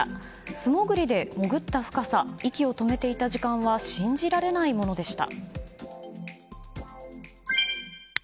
素潜りで潜った深さ息を止めていた時間は信じられないものでした。